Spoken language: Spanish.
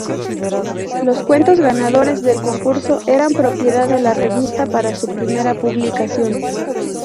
Los cuentos ganadores del concurso eran propiedad de la revista para su primera publicación.